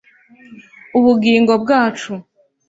Ubugingo bwacu